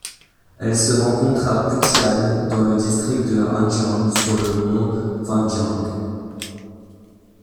Elle se rencontre à Putian dans le district de Hanjiang sur le mont Wangjiang.